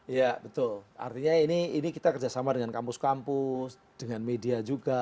iya betul artinya ini kita kerjasama dengan kampus kampus dengan media juga